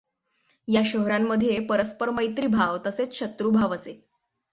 या शहरांमध्ये परस्पर मैत्रीभाव तसेच शत्रूभाव असे.